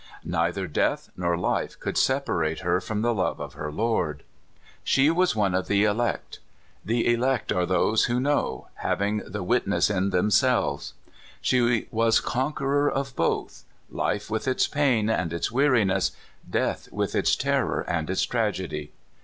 Neither death nor life could separate her from the love of her Lord. She was one of the elect. The elect are those who know, having the witness in themselves She was conqueror of both life with its pain and its weariness, death with its terror and its tragedy.